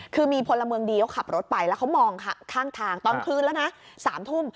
คือมีพลเมืองดีเขาขับรถไปแล้วเขามองข้างทางตอนคืนแล้วนะ๓ทุ่ม